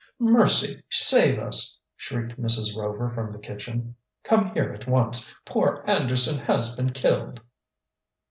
"Mercy, save us!" shrieked Mrs. Rover, from the kitchen. "Come here at once. Poor Anderson has been killed!"